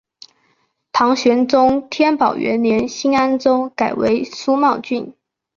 唐玄宗天宝元年新安州改为苏茂郡。